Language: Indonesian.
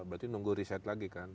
berarti nunggu riset lagi kan